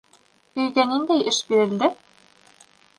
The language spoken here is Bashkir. Өйгә ниндәй эш бирелде?